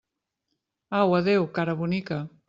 Au, adéu, cara bonica!